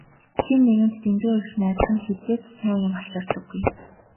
Хэн нэгэнд дэндүү их найдах нь хэзээ ч сайн юм авчирдаггүй.